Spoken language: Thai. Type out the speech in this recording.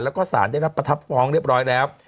แล้วก็สารได้รับประทับฟ้องเรียบร้อยแล้ว